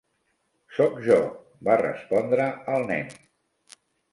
"Sóc jo", va respondre el nen.